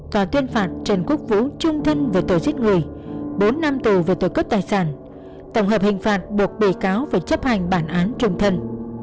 tòa tuyên phạt trần quốc vũ trung thân về tội giết người bốn năm tù về tội cướp tài sản tổng hợp hình phạt buộc bị cáo phải chấp hành bản án trung thân